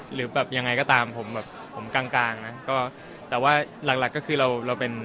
หรือแบบยังไงก็ตามผมแบบผมกลางกลางนะก็แต่ว่าหลักหลักก็คือเราเราเป็น